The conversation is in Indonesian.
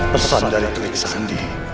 pesan dari tegik sandi